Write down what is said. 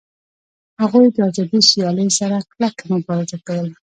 هغوی د آزادې سیالۍ سره کلکه مبارزه کوله